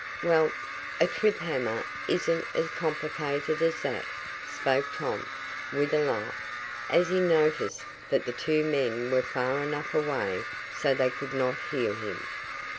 "Well, a trip hammer isn't as complicated as that," spoke Tom, with a laugh, as he noticed that the two men were far enough away so they could not hear him.